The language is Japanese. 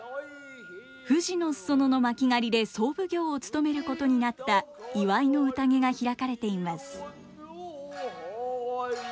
富士の裾野の巻狩で総奉行を務めることになった祝いの宴が開かれています。